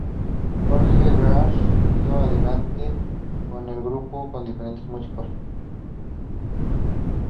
Jorge Graf siguió adelante con el grupo con diferentes músicos.